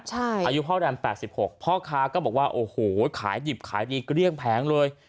ใช่อายุพ่อแรมแปดสิบหกพ่อค้าก็บอกว่าโอ้โหขายดิบขายดีก็เลี่ยงแพงเลย